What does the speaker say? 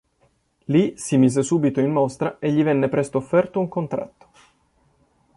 Lì si mise subito in mostra e gli venne presto offerto un contratto.